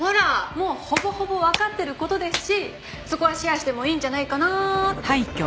もうほぼほぼわかってる事ですしそこはシェアしてもいいんじゃないかなって。